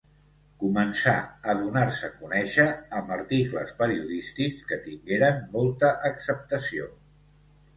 Començà a donar-se a conèixer amb articles periodístics, que tingueren molta acceptació.